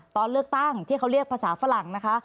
ตอนเลือกตั้งที่เขาเรียกภาษาฝรั่งนะคะ